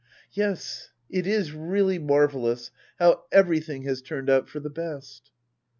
Yes, it is really marvellous how everything has turned out for the best.